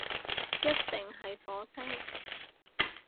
一定係火星